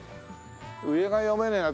上が読めねえな。